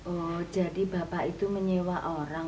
oh jadi bapak itu menyewa orang